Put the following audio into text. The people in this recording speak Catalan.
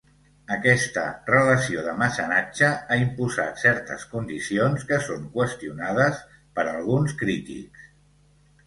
Aquesta relació de mecenatge ha imposat certes condicions que són qüestionades per alguns crítics.